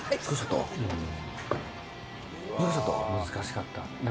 難しかったな。